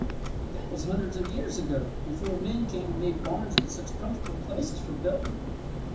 But that was hundreds of years ago, before men came and made barns with such comfortable places for building.